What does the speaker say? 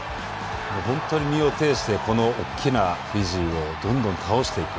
本当に身をていして大きなフィジーをどんどん倒していく。